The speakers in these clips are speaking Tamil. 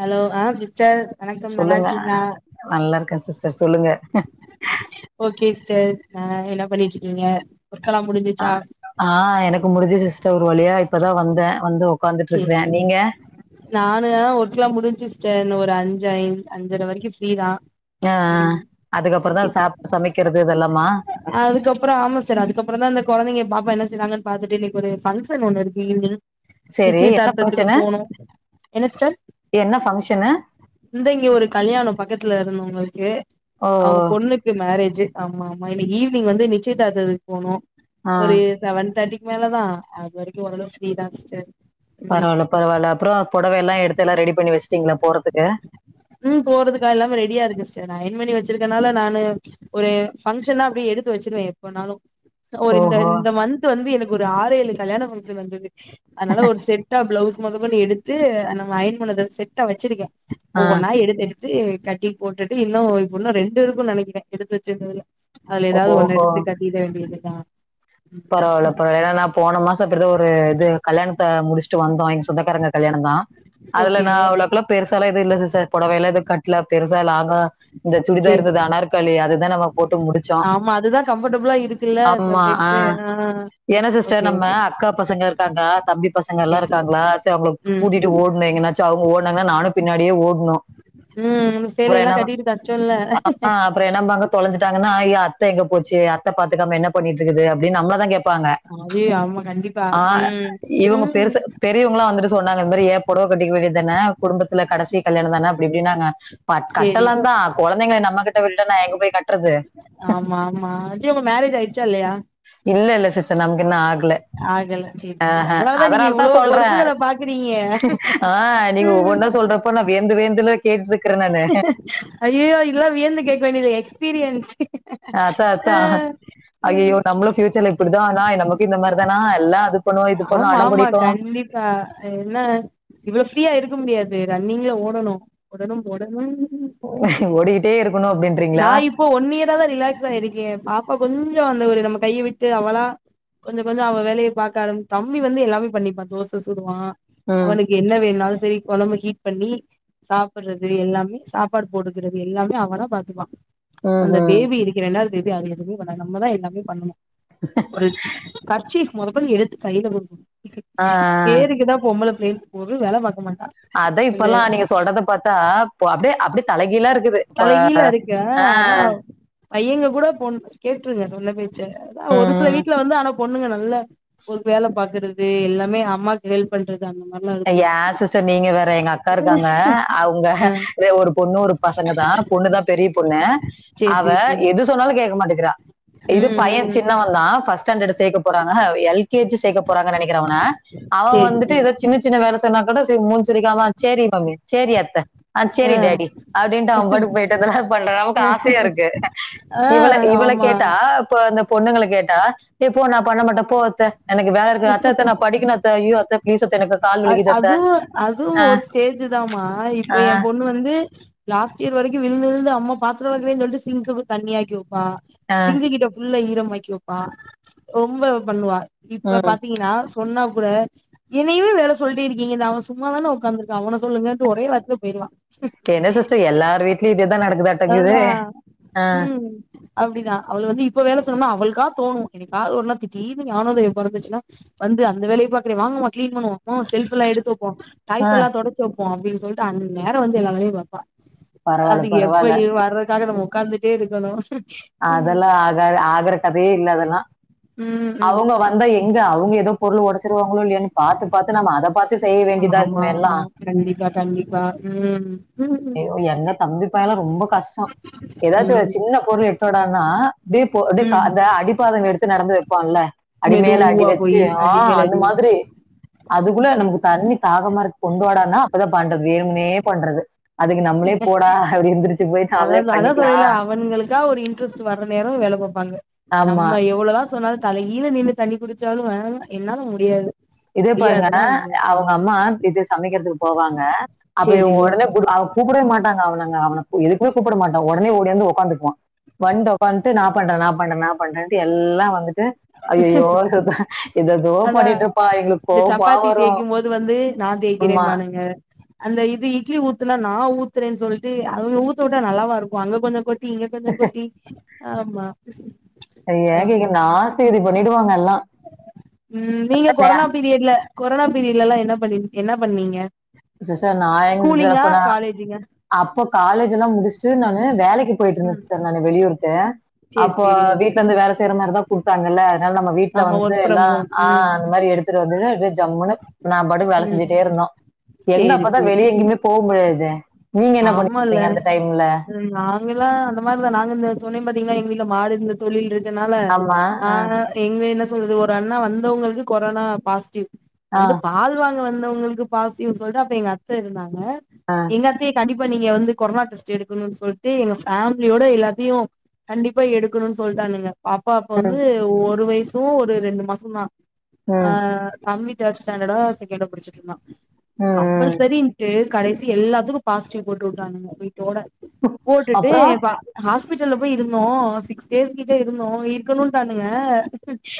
ஹலோ ஆ சிஸ்டர் வணக்கம் நல்லா சொல்லுங்க இருக்கீங்களா நல்லா இருக்கே சிஸ்டர் சொல்லுங்க ஓகே சிஸ்டர் நா என்ன பண்ணிட்டுருகீங்க அ ஆ எனக்கு முடிஞ்சிடுச்சி சிஸ்டர் ஒரு வலியா இப்பதா வந்தே வந்து ஒக் செரி நானு ஒர்க்கெல்லா முடிஞ்சு சிஸ்டர் ஒரு அஞ் ஐ அஞ்சர வரைக்கூ ஃப்ரீதா அஹ் ம் அதுக்கப்றதா சாப்ட்டு சமைக்றது இதெல்லாமா அதுக்கப்புற ஆமா சார் அதுக்கப்றோ தா இந்த கொழந்தைங்க பாப்பா என்ன செய்யறாங்கன்னு பாத்திட்டு இனைக்கு ஒரு பங்ஸன் ஒன்னு இருக்கு ஈவ்னிங் சேரி என்ன நிச்சயதார்த்ததிக்கு ஃபங்க்ஷனு போனூ என்ன சிஸ்டர் என்ன ஃபங்க்ஷனு இந்த இங்க ஒரு கல்யாணோ பக்கத்துல இருந்தோங்களுக்கு ஓ அவங்க பொண்ணுக்கு மேரே ஜித் ஆமாம் நா இன்னைக்கு ஈவினிங் வந்து நிச்சயதாத்ததிக்கு போனு ஆ ஒரு செவன் தேட்டிக் மேல தா அது வரைக்கூ ஓர்ரளவு ஃப்ரீதா சிஸ்டர் ம் பரவால பரவால அப்றோ பொடவ எல்லா எடுத் எல்லா ரெடி பண்ணி வச்ட்டீங்ளா போறதிக்கு ம் போறதுக்கா எல்லா ரெடியா இருக்கு சிஸ்டர் நா அயன் பண்ணி வச்சிருக்கனால நானு ஒரு பங்க்ஷன்னா அப்டி எடுத்து வெச்சிருவே எப்பனாலு ஒரு இந்த ஓஹோ இந்த மன்ந்த் வந்து எனக்கு ஒரு ஆறேழு கல்யாஃபங்ஷன் வந்தது அதனால ஒரு செட்டா ப்ளௌஸ் மொத மொத எடுத்து நம்ம அயன் பண்ணுத செட்டா வச்சிருக்கே ஆ ஒவ்வொன்னா எடுத் தெடுத் து கட்டி போட்டுட்டு இன்னு இப்ப இன்னு ரண்டு இருக்குனு நெனைக்கிறே எடுத்து வச்சிருந்ததுல அதுல எதாவது ஒன்னெடுத்து கட்டிட வேண்டியதா தா பரவாயில்லப்பா ஏன்னா நா போன மாசொ இப்படிதான் ஒரு இது கல்யாணத்த முடிச் ட்டு வந்தோ எங்க செந்தக்காரங்க கல்யாணந்தா அதுல ஓகே நா அவ்ளவுக்குல்லாம் பெருசலாம் எது இல்ல சிஸ்டர் பொடவைலாம் எது கட்ல பெறுசா லாங்கா இந்த சுடிதார் சேரி இருந்தது சேரி அனாற்காளி அதுதா நாம போட்டு முடிச்சோ ஆமா அதுதா கம்ஃபர்டபுளா இருக்குல்ல ஆமா சம்டைம்ஸு ஆஹ் ஆ ஏன்னா ஓகே சிஸ்டர் நம்ம ஓகே அக்கா பசங்க இருக்காங்க தம்பி பசங்கல்லா சேரி சேரி இருக்காங்களா சரி அவங்கள ம் கூட்டிட்டு ஓட்னு எங்கனாச்சும் அவங்க ஓனாங்கன்னா நானு பின்னாடியே ஓடுணு உம் சேலைல்லா கட்டிட்டு கஷ்டல்ல த்தாங்கன்னா ஐயோ அத்த எங்க போச்சு அத்த பாத்துக்காம என்ன பண்ணிட்டு இருக்குது அப்டின் நம்மலாதா கேப் பாங்க அது ஆமா கண்டிப்பா ஆ ம் இவங்க ம் பெருசு பெரியவங்களா வந்துட்டு சொன்னாங்க இது மாரி ஏ பொடவ ட்டிக்க வேண்டியதான குடும்பத்துல கடசி கல்யணந்தானே அப்டி இப்டின்னாங்க பட் சேரி கட்டளந்தான் கொழந்தைங்கள நம்மக்கிட் ங்க விட்டுட்டனா எங்கபோய் கட் ஆமா ஆமா சே உங்க மேரேஜ் ஆயிடுச்சா இல்லையா இல்லல்ல சிஸ்டர் நமக்கு இன்னு ஆக ல ஆகல சேரி சேரி ஆஹ நீங்க அதனாலதா இவ்ளோ சொல்றே பொறுப்புகள பாக்குறீங்க ஆஹ நீங்க ஒவ்வொன்ன சொல்றப்ப நா வியந்து வியந்துல அய்யயோ இதல்லா வியந்து கேக்க வேண்டியது எக்ஸ் பிரியன்ஸ் அத்தா அத்தா ம் ஐயயோ நம்மளு ஃபியூச்சர்ல இப்டிதானா நமக்கு இந்த மாரிதானா எல்லா அது பண்ணு இது பண்ணு ஆமா அடம் ஆமா பிடிக்கும் கண்டிப்பா து ரன்னிங்ல ஓடணு ஒடனும் ஒடணும் ஓடிக்கிட்டே இருக்கணும் நா அப்படின்றீங்களா இப்போ ஒன் இயராதா ரிலாக்ஸா இருக்கேன் பாப் அப்ப கொஞ்சொ அந்த ஒரு நம்ம கைய விட்டு அவளா கொஞ்சம் கொஞ்சம் அவ வேலைய பாக்க ஆரம்பி தம்பி வந்து எல்லாமே பண்ணிப்பான் தோச சுடுவான் ம் அவனுக்கு என்ன வேணுனாலு சரி கொழம்பு ஹீட் பண்ணி சாப் டுறது எல்லாமே சாப்பாடு போட்டுக்குறது எல்லாமே அவனா பாத்துக்குவா ம் அந்த ம் பேபி இருக்குற ரண்டாது பேப் பி அது எதுமே பண்ணாது நம்மதா எல்லாமே பண்ணணு ஒரு கர்ச்சீஃப் மொத கொண்டு எடுத்து கையில குடுக் ஆ ஆ. பேருக்குதா பொம்பள பிள்ளேன் ஒரு வேல பாக்க மாட் அத்தா இப்பல்லா நீங்க சொல்றத பாத்தா பொ- அப்படியே அப்படியே தலைகீழா இருக்குது பொ- தலகீலாருக்கே ஆ, அதா அவ் பையங்க கூடோ பொண் கேட்ருங்க சொன்ன பேச்ச அதா ஒரு சில ம். வீட்ல வந்து அனுப் பொண்ணுங்க நல்ல ஒரு வேல பாக்குற து எல்லாமே அம்மாக்கு ஹெல்ப் பண்றத் அ யா சிஸ்டர் நீங்க வேற எங்க அக்கா இருக்காங்க அவ் ங்க ஆ ஒரு பொண்ணு ஒரு பசங்க தா பொண்ணு தா பெரிய பொண்ணு சேரி அவ சேரி சேரி எது சொன்னாலு கே க்க மாட்டிகிறா இது பைய ம் ம் சின்னவந்தா ஃபஸ்ட் ஸ்டாண்டடு சேக்கப் போறாங்க எல் கே ஜி சேக்கப் போறாங்க நெனக்கிற அவன அவ சேரி வந்துட்டு சேரி எதோ ன வேல சொன்னாக கூட ச மூஞ் சுலிக்காம சேரி மம்மி சேரி அத்த அ ஆ சேரி டேடி அப்டின்ட்டு அவ பாட்டுக்கு போய்ட்டு அதல்லா பண்றா அமக்கு ஆசையாருக்கு ஆ இவள இவள ஆமா கேட்டா இப்போ அந்த பொண்ணுங்கள கேட்டா எ போ நா பண்ண மாட்ட போ அத்த எனக்கு வேல இருக்கு அத்த அத்த நா படிக்கினு அத்த அய்யோ அத்த ப்ளீஸ் அத் அத் அதுவு அதுவு ஒரு ஸ்டேஜு தாமா இப்போ ஏ ஆஹ் பொண்ணு வந்து கு லாஸ்ட்டியர் வரைக்கு‌ விழ்ந்து விழ்ந்து அம்மா பாத்ரோ‌ வெலக்குவேன் சொல்ட்டு சிங்க்குவு தண்ணியாக்கிவு வா ஆஹ் சிங்கு கிட்ட ஃபுல்லா இ ரமாக்கி வெப்பா ரொம்ப பண்ணுவா இப்ப உம் பாத்தீங்கனா சொன்னாக் கூட என்னய்வே வேல சொல்டு இர்க்கீங்க த அவ சும்மாதான உக்காந்துருக்கா அவன சொல்லுங்கன்டு ஒரே வார்த்தைல போயிற்லா என்ன சிஸ்டர் எல்லார் வீட்லயும் இதேதான் நடக்குதாட்டங்குது அதுதா ஆஹ் ம் அப்டிதா அவுளு வந்து இப்ப வேல சொன்னோனா அவள்கா தோணு எனைக்காது ஒரு நா தீடீர்னு ஞானோதய பொறந்துச்னா வந்து அந்த வேலைய பாக்குறே வாங்கமா க்ளீன் பண்ணுவோ மா செல்ஃபுல்லா எடுத்து வப் போ டைல்ஸ் ஆஹ் எல்லா தொடச்சி வப் போ அப்டின் சொல்ட்டு அந் நேர வந்து எல்லா வேலயுபாப்பா பரவாயில்ல அது பரவாயில்ல எப்பயு வர்ரத்காக நமோ உக்காந்துட்டே இருக்கணு ம் அதல்ல ஆகாது ஆகுற கத் வே இல்ல அதல்லா ம் ம் அவுங்க வந்தா எங்க அவுங்க எப் த பொருள் ஒடச்சிருவாங்களோ இல்லயோன்னு பாத்து பாத்து நம்ம அத பாத் ஆமா ஆமா கண்டிப்பா கண்டிப்பா உம். எங்க தம்பி பயலாம் ரொம்ப. கஷ்டம். ஏதாச்சும் ஒரு ம் சின்ன பொருள் எட்டுவடான்னா. இப்டியே போ ப்டியே கா ம் அந்த அடிபாத எடுத்து நடந்து. பண்ல. அடிமல அடி மெதுவா வச்சு போயி அடி ஆஹ மேல அந்த அடி வச்சு மாத்ரி அதுக்குள்ள ம் நமக்கு தண்ணி தாகமா இரு கொண்டுவாடானா அப்பதா. பண்றது வேனும்னே பண்றது. அதுக்கு நம்மளே போடா அப்படி எந்திரிச்சு போய் அதா நாமளே அதா அதா சொல்றயில பண்ணிக்கலாம் அவுங்களுக்கா ஒரு இன்ட்ரெஸ்ட் வர்ற நேரம் வேல பாப்பாங்க. ஆமா நம்ம எவ்வளோதா சொன்னாலும் தலைகீல நின்னு தண்ணி குடிச்சாலும் [unintelligible] என்னால முடியாது. இதே பாருங்க முடியாதுன்னா முடியாது அவ்ங்க அம்மா இது சமைக்கிறது. போவாங்க அப்ப சேரி இவ்ங்க உடனே [unintelligible] கூப்பிடவே மாட்ட. நாங்க அவனங்க அவன எதுக்குமே கூப்பிட மாட்டோ உடனே ஓடியந்து ஒக்காந்துக்குவான். வந்து ஒக்காந். த்து நா பண்றன் நா பண்றன் நா பண்றேன்ட்டு எல்லாம் வந்துட் டு ஐயையோ சுத்த எது ஏதோ அதா பண்ணிட்டு இருப் இந்த சப்பாத்தி தேக்கிம் போது வந்து நா அம்மா தேக்கிறேம்பானுங்க. அந்த இது இட்லி ஊத்துனா நா ஊத்துறேன்னு சொல்லிட்டு அவ்ங்க ஊத்த வுட்டா நல்லாவா இருக்கு அங்க கொஞ்சம் கொட் டி இங்க கொஞ்ச கொட்டி. ஆமா. அத ஏ கேக்குற நா செய்றது பண்ணிடுவாங்க. எல்லாம் உம். நீங்க கொரோனா பீரியட்ல. கொரோனா பீரியட்ல எல்லாம் என்ன பண்ண என்னா பண்ணீங்க. சிஸ்டர் நா எங்க சிஸ்டர் ஸ்கூலிங்கா அப்ப நா. காலேஜுங்க அப்ப காலேஜ் எல்லாம் முடிச்சுட்டு நானு வேலைக்கு போயிட்டு இருந்தேன் ம் சிஸ்டர் நா வெளியூர் [unintelligible] சேரி அப்போ சேரி ஓகே வீட்டுல இருந்து வேற செய்யற மாரிதா கூடுத் இருப்பாங்கல்ல னால நம்ம வீட்டுல ஆமா வந்து ஒர்க் ஃப்ரம் எல்லாம் ஹோம் ம் ஆஹ் அந்த மாரி எடுத்துட்டு வந்துட்டு [inaudible] ஜம்முனு நா பாட்டுகு வேல ம் செஞ்சிட்டே இருந்தோ எங்க சேரி அப்பதான் சேரி வெளிய சேரி நின்னு போ [unintelligible] நீங்க என்ன பண்ணிருந்தீங்க அந்த டைம்ல? எங்கல்லா அந்த மாதர நாங்க இந்த சொன்னேம் பாத்த்த்தீங்கா எங்க வீட்டுல மாடு இருந்து தொழில் இரு தன்னால ஆ எங்கள என்ன சொல்றது ஒரு அண்ணா வந்தவங்களுக்கு கொரோனா பாசிட்டிவ். ஆ, வந்து பால் வாங்க வந்து த உங்களுக்கு பாசிட்டிவ் சொல்லிட்டு அப்ப எங்க அத்த இருந்தாங் தா ஆ, எங்கத்த கண்டிப்பா நீங்க வந்து கொரோனா டெஸ்ட் எடுக்கணும்னு சொல்லிட்டு எங்க ஃபேமிலியோட எல்லாத்தையும் கண்டிப்பா எடுக்கணும்னு சொல்லிட்டானுங்க. பாப்பா அப்போ வந்து ம், ஒரு வயசு. தோ ஒரு ரெண்டு மாச தான். ஆ ம், தம்பி தேர்ட் ஸ்டாண்டர்ட்டோ செகண்ட்டோ படிச்சட்டு இருந்தான். ம். கம்பல்சேரின்ட்டு கடைசி எல்லாத்துக்கும் பாசிடிவ் போட்டு விட்டானுங்க வீட்டோட. போட்டுட்டு அப்புறம் இப்ப ஹாஸ்பிட்டல்ல போய் இருந்து. இருந்தோ சிக்ஸ் டேஸ் கிட்ட இருந்தோம் இருக்கணும்ட்டானுங்க.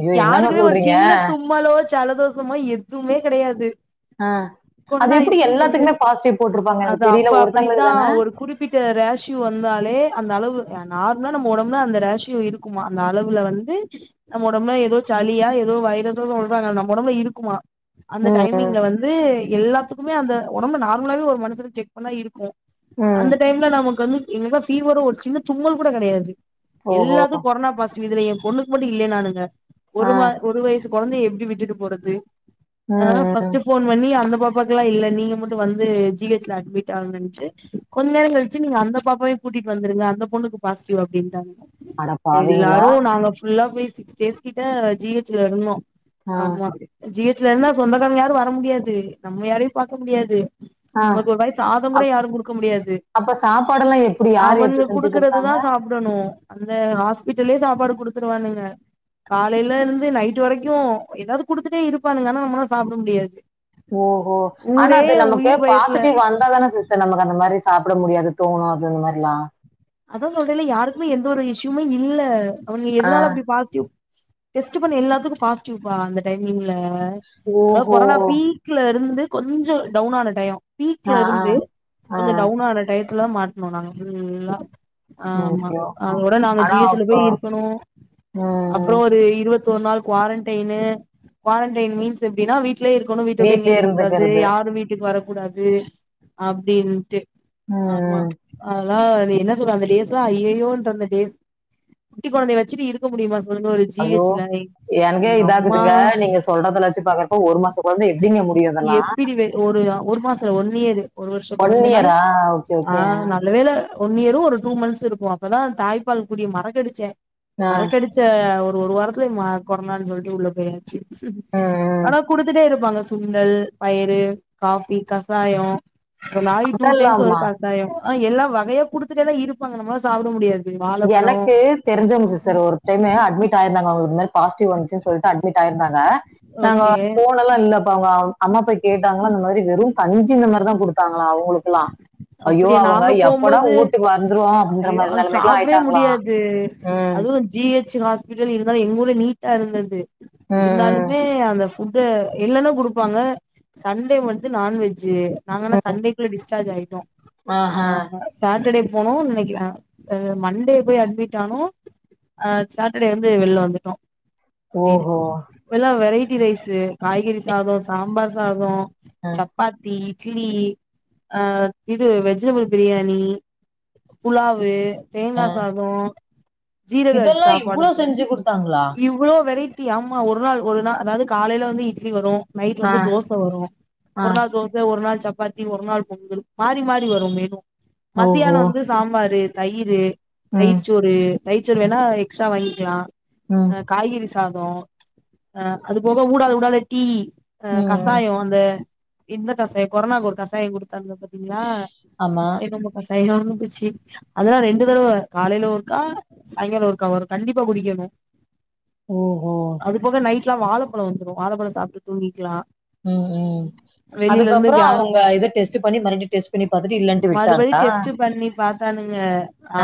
ஐயோ என்னங்க யாருக்குமே ஒரு சொல்றீங்க சின்ன தும்மலோ ஜலதோசமா எதுவுமே கிடையாது. ஆ அது எப்படி எல்லாத்துக்குமே பாசிட்டிவ் போட்டிருப்பாங் அது அப்ப அப்படித்தான் ஒரு குறிப்பிட்ட ராஷியு வந்தாலே அந்த அளவு நார்மலா நம்ம உடம்புல அந்த ராஷியும் இருக்குமா அந்த அளவுல வந்து நம்ம உடம்புல ஏதோ சளியா ஏதோ வைரஸோ சொல்றாங்க நம்ம உடம்பு இருக்குமா. அந்த ம், ம், டைமிங்ல வந்து எல்லாத்துக்குமே அந்த உடம்பு நார்மலாவே ஒரு மனஷருக்கு செக்பண்ணா இருக்கும். ம். அந்த டைம்ல நமக்கு வந்து எங்க பீவரோ ஒருச் சின்ன தும்மல் கூட கெடையாது ஓஹோ எல்லாத்துக் கொரோனா பாசிவ் இதுலயு ஒண்ணுக்கு மட்டு இல்லே நானுங்க ஒரு ஆ, மா ஒரு வயசுக் கொழந்தைய எப்டி விட்டுட்டு போறது? ஆனா ம், ம். ஃபர்ஸ்ட்டு ஃபோன் பண்ணி அந்த பாபாக்கலா இல்ல நீங்க மட்டு வந்து ஜீ ஹெச் அட்மிட் ஆ [unintelligible] கொஞ்ச நேரோ கழிச்சு நீங்க அந்த பாப்பாவ கூட்டிட்டு வந்துருங்க அந்த பொண்ணுக்கு பாசிட்டிவ் அப்டீன்டாங்க அட பாவீங்களா எல்லாரு நாங்க ஃபுல்லா [unintelligible] சிக்ஸ் டேஸ் கிட்ட ஜி ஹச் ல இருந்தோ ஆ, ஆமா ஜீ ஹெ [unintelligible] இருந்தா சொந்தக்காரங்க யாரு வர முடியாது நம்ம யாரையு பாக்க முடியாது ஆ. நமக்கு ஒரு வாய் சாதோ கூட அப்- யாரு குடுக்க முடியாது அப்ப சாப்பாடெல்லாம் எப்படி யார் எடுத்து அவன்ங்க செஞ்சு குடுக்குறது தா கொடுத்தாங்க சாப்பிடணு அந்த ஹாஸ் வீட்டுலேயே சாப்பாடு குடுத்துருவானுங்க காலையில இருந்து நைட்டு் வரைக்கு ஏதாது குடுத்துட்டே இருப்பானுங்க ஆனா நம்மலால சாப்ட முடியாது ஓஹோ ஆனா ஊரே அது நமக்கு உயிர் பயத்துல பாசிட் வந்தாதான சிஸ்டர் நமக்கு அந்த மா ரி சாப்பட முடியாது தோணு அது அந்த மாரிலா அதா சொல்றேன்ல யாருக்குமே எந்த ஒரு இஷ்யுமே இல்ல அவுங்க ஆ எதனால அப்டி பாசிட்டிவ் டெஸ்ட் பண்ண எல்லாத்துக்கு பாசிட்டிவ்பா அந்த டைம் ல அதா ஓஹோ கொரோனா பீக்ல இருந்து கொஞ்சோ டவுன் ஆன டையோ பீக்ல ஆ ஆ இருந்து ஆ கொஞ்ச டவுன் ஆன டையத் [unintelligible] மாட்னோ நாங்க ஃபுல்லா ஆமா ஐயோ ம். அதோட நாங்க ஆனா ஜி எச் ல அப்போ போய் இருக்கணு ம் அப்புறோ ஒரு இருவத் ஒரு நாள் குவாரன்டைனு குவாரன்டைன் மீன்ஸ் எப்டினா வீட் ட்லியே இருக்கணு வீட்ட விட்டு எங்கயு வீட்லயே போ கூடாது இருந்துக்கிறது யாரு வீட்டுக்கு வர கூடாது அப்டின்ட்டு ஆமா ம் அ [unintelligible] அது என்ன [unintelligible] அந்த டேஸ்லாம் அய்யயோ இன்ற அந்த டேஸ் குட்டி கொழந்தைய வெச்சிட்டு இருக்க முடியுமா சொல்லுங்க ஒரு ஜி ஐயோ ஹெச்ல என்கே எங்க அம்மா இதாகுதுங்க நீங்க சொல்றதல வெச்சு பாக்குறப்ப ஒரு மாசோ கொழந்தை எப்டிங்க முடியு இதெல்லா? எப்டி வே ஒரு ஒரு [unintelligible] ஒன் கொழந்தைனாலு இயரா ஓகே ஆ ஓகே நல்ல வேல ஒன் இயரு ஒரு ஒரு டூ மந்த்ஸ் இருக்கும் அப்பதா தாய்ப்பால் குடிய மறக்கடிச்ச அறக்கடிச்ச ஒ ஓரொரு வாரத்துல ம கொரோனானு சொல்லிட்டு உள்ள போயாச்சு ம் ம் ஆனா குடுத்துட்டே இருப்பாங்க சுண்டல் பயரு காஃபி கசயோ ஒர் நாளிக் டூ டைம்ஸ் ஒரு அதெல்லாமா கசாயொ அ எல்லா வகயா குடுத் த்துட்டே தா இருபாங்க நம்லால சாப்புட முடியாது வாழப்பழோ எனக்கு தெரிஞ்சொவ்ங் சிஸ்டர் ஒரு டைமே அட்மிட் ஆயிர்ந்தாங்க அவுங் இது மேர் பாஸ்ட்டிவ் வந்ச்சுன் சொல்ட்டு அட்மிட் ஆயிர்ந்தாங்க நாங்க ஓகே போனல்லா இல்லப்ப அவ்ங்க அம்மா போய் கேட்டாங்லா இந்த மாதுரி வெறும் கஞ்சி இந்த மாரிதா குடுத்தாங்களா அவுங்ளுக்குலா ஐயோ அப்டியா அவுங்க நாங்க எப்போடா போம்போது வூட்டுக்கு வந்துருவோ அப்டின்ற மாரி நெலைமை டவே முடியாது அதுவு ஜி எச் ஹாஸ்பிடல் இருந்தா அவ்ளு நீட்டா இருந்துது ம், ம், இருந்தாலுமே அந்த ஃபுட்டு இல்லெனா குடுப்பாங்க சண்டே வந்து நான்வெஜ்ஜு நாங்களா ம். சண்டேக்குள்ள டிஸ்சார்ஜ் ஆயி ஆஹா. ஆமா சாட்டர்டே போனோ நெனைக்கல மண்டே போய் அட்மிட் அனோ சட்டர்டே வந்து வெளில வந்துட்டோ அப்டினு ஓஹோ இப்பல்லா வெரைட்டி வெரைட்டி ரைஸ்ஸு காய்கறி சதோ சாம்பார் சாதோ ம், சப்பாத்தி இட்லி ஆ இது வெஜிடபிள் பிரியாணி புலவு தேங்கா ம். சாதோ ஜீரக அரிசி இதெல்லாம் சாப்பாடு இவ்வளவு சார் செஞ்சு கொடுத்தாங்களா இவ்ளோ வெரைட்டி தி ஆமா ஒரு நாள் ஒரு நாள் அதாவது காலையில வந்து இட்லி வரு நைட் ஆ, வந்து தோசை வரு ஆ. ஒரு நாள் தோசை ஒரு நாள் சப்பாத்தி ஒரு நாள் பொங்கல் மாறி மாறி வரு மேனு மத்தியான ஓஹோ வந்து சாம்பாரு தயிரு ம், தயிர்சோறு தயிர்சோறு வேணா எக்ஸ்ட்ரா வாங் [unintelligible] ம், அ காய்கறி சா ஆ அது போக [unintelligible] டீ அ ம். கசாய அந்த இந்த கசாயம் கொரனுக்கு ஒரு கசாயம் குடுத்தாங்க ஆமா [unintelligible] [unintelligible] ச்சி அதெல்லா ரெண்டு தடவ காலைல ஒருக்கா சாய்ங்கால ஒருக்கா வரு கண்டிப்பா குடிக்கணு ஓஹோ நைட்ல வாழப்பழ வந்துரு வாழப்பழ சாப்ட்டு தூங்கிக்லா ம் ம் அதுக்கப்ற அவுங்க இத டெஸ்ட் பண்ணி மறு மறுபடியும் டெஸ்ட் பண்ணி பாத்தானுங்க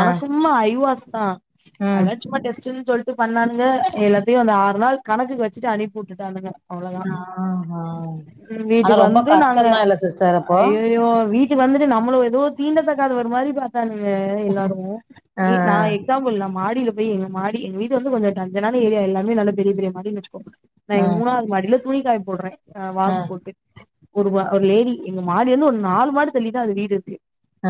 ஆ, சும்மா ஐவாஸ் ஆ ம். அதுலா சும்மா டெஸ்ட் சொல்ட்டு பண்ணானுங்க எல்லாத்தயு அந்த ஆறு நாள் கணக்குக்கு வெச்சுட்டு அனுப்பி உட்டுட்டானுக ஆ ஆனா வீட்டுக்கு ரொம்ப வந்து கஷ்டதா இல்ல சிஸ்டர் அப்போ வீட்டு வந்துட்டு நம்மள ஏதோ தீண்டதகாதவர் மாரி கராங்க எல்லாரும் ஆ, நா எக்ஸாம்பிள் நா மாடிய்ல போயி எங்க மாடி எங்க வீட்ல வந்து கொஞ்ச டஞ்சான ஏரியா எல்லாமே நல்ல பெரிய பெரிய மாடின்னு வெச்சுக்கோங்க நா ஆ, ஆ, எங் மூணாவுது மாடில துணி காய் போட்றே ஆ [unintelligible] ஒரு வா ஒர் லேடி எங்க மாடிலேந்து ஒரு நாலு மாடி தாள்ளிதா அது வீடு இருக்கு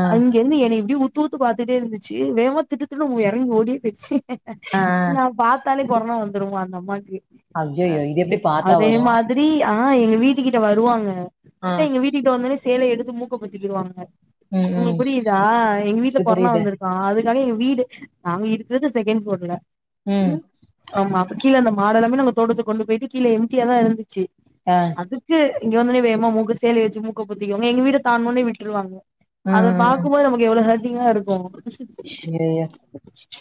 ஆ, அங்கேந்து என்ன இப்டி உத் உத்து உத்து பாத்துட்டே இர்ந்துச்சு வேமா திட்டத்திட்டுனு உ எறங்கி ஓடியே பேய்ர்ச் ஆ, ஆ. நா பாத் [unintelligible] தொட்டாலே கொரோனா வந்துருமா அந்த அம்மாகு ஐய்யயோ இது எப்டி பாத்தா வரு மாதிரி ஆ எங்க வீட்டு கிட்ட வருவாங்க ஆ. கரெக்டா எங்க வீட்டு கிட்ட வந் சேல எடுத்து மு த்திகுவாங்க ம், ம். உங்குளுக் புரியுதா எங்க வீட்ல இது கொரோனா புரியுது. வந்துருக்கா அதுக் இதாங்க எங்க வீடு நாங்க இருக்குறது செகண்ட் ஃப்ளோர்ல ம் ஆமா கீழ அந்த மாட எல்லாமே நாங்க தோட்டத்துக் கொண்டு போயிட்டு கீழ் எம்ட்டியா தா இருந்துச்சு ஆ. அதுக்கு இங்க வந்ததுமே எங்க அம்மா மூக்க சேலய வச்சு மூக்க பொத்திக்குவாங்க எங்க வீடு தா முன்னே விட்ருவாங்க ம், அத ம். பாக்கும் போது நமக்கு எவ்ளோ ஹெல்ப் [unintelligible] தா இருக்கும் ஐயய்யோ!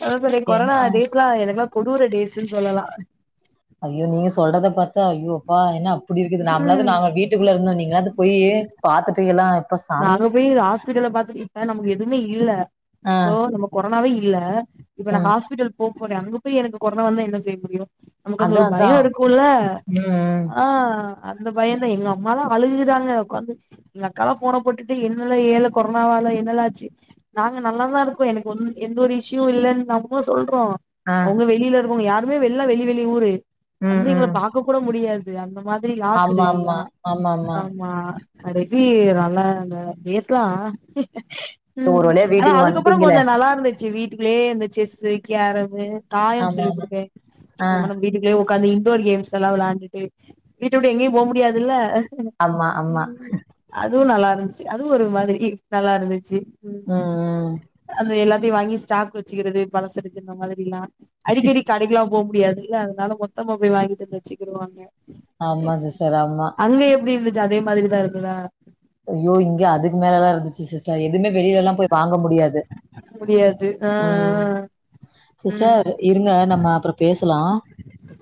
அது சரி கொரோனா ஏன்னா டேட்லாம் எனக்குலாம் கொடூர டேட்ஸ்னு சொல்லலாம் ஐயோ நீங்க சொல்றத பாத்தா ஐயோ அப்பா ஏனா அப்படி இருக்குது நாம்ளாவது ம் நாங்க வீட்டுக்குள்ள இருந்தோ நீங்களாவது போயி பாத்துட்டீங்கனா நாங்க போயி ஹாஸ்பிட்டல்ல பாத்துட்டு இப்ப நமக்கு எதுமே இல்ல ஆ, சோ நம்ம கொரோனாவே இல்ல இப்ப நா ம். ஹாஸ்பிட்டல் போ போன அங்க போயி எனக்கு கொரோனா வந்தா என்ன செய்ய முடியும் நமக்கு அந்த ஒரு அதான், பயோ அதான். இருக்குல ம், ம். ஆ அந்த பையன் தா எங்க அம்மாலா அழுகுறாங்க உட்காந்து எங்க அக்காலா ஃபோன போட்டுட்டு என்ன ல ஏல கொரோனாவால என்ன ல ஆச்சு நாங்க நல்லாதா இருக்கோ எனக்கு எந்த ஒரு இஷும் இல்ல நாங்களு சொல்ல இருக்கோ ஆ. அவுங்க வெளில இருப்பாங்க யார் துமே வெள்ளா வெளி வெளி ஊரு ம், வந்து எங்களை ம். பாக்க கூட முடியாது இது அந்த மா இதுலி ஆமா, லாக்குடு ஆமா. ஆமாமா. ஆம்மா கடைசி ரல இந்த பேஸ்லா ஒரு ம் வழியா அனா வீட்டுக்கு அதுக்கப்பற கொஞ்ச வந்துட்டீங்களே! நல்லார்ந்துச்சு வீட் வீட்டுக்குள்ளேயே இந்த செஸ்ஸு கேரமு தாயம் சொல்லி் ஆமாமா. கொடுக்கேன் ஆ. அந்த மா வீட்டுக்குள்ளேயே உக்காந்து இன்டோர் கேம்ஸ் எல்லா விளாயாண்டுட்டு வீட்ட உட்டு எங்யு போ முடியாதுல்ல அம்மா அம்மா துவு நல்லார்ந்துச் அதுவு ஒரு மாதுரி நல்லார்ந்துச்சி ம் ம் வாங்கி ஸ்டாக் வச்சுக்கிறது பலசு இருக்கு இந்த மாதிரில்லா அடிக்கடி கடைக்கலா போம் மு முடியாதுல அதனால மொத்தமா போய் வாங்கிட்டு வந்து வச்சுக்கிருவாங்க ஆம்மா சிஸ்டர் ஆம்மா ஞ்ச அதே மாரிதா இருந்ததா ஐய்யோ இங்க அதுக்கு மேலலா இருந்துச்சு சிஸ்டர் எ எதுவுமே வெளிலலா போய் வாங்க முடியாது முடியாது ஆ ம் ஆ ம் சிஸ்டர் இருங்க நம்ம அப்பறோ பேசலா அ